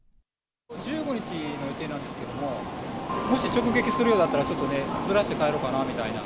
１５日の予定なんですけども、もし直撃するようだったら、ちょっとね、ずらして帰ろかなみ